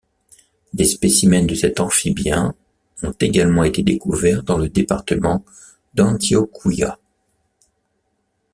Des spécimens de cet amphibien ont également été découverts dans le département d'Antioquia.